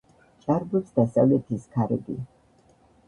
ჭარბობს დასავლეთის ქარები.